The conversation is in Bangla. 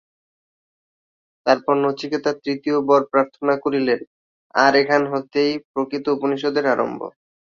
তারপর নচিকেতা তৃতীয় বর প্রার্থনা করিলেন, আর এখান হইতেই প্রকৃত উপনিষদের আরম্ভ।